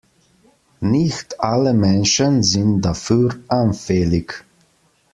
Nicht alle Menschen sind dafür anfällig.